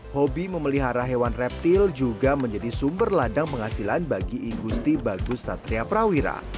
hobi memelihara hewan reptil juga menjadi sumber ladang penghasilan bagi igusti bagus satria prawira